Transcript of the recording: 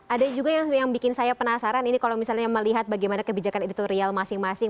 ada juga yang bikin saya penasaran ini kalau misalnya melihat bagaimana kebijakan editorial masing masing